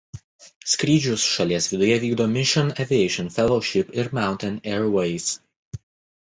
Skrydžius šalies viduje vykdo Mission Aviation Fellowship ir Mountain Airways.